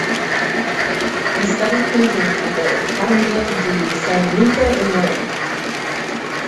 He studied painting at the Accademia di San Luca in Rome.